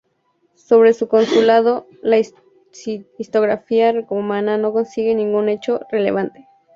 Sobre su consulado, la historiografía romana no consigna ningún hecho relevante.